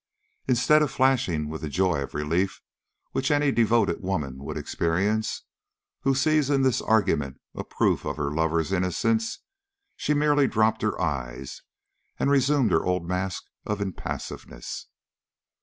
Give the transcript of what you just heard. "Instead of flashing with the joy of relief which any devoted woman would experience who sees in this argument a proof of her lover's innocence, she merely dropped her eyes and resumed her old mask of impassiveness."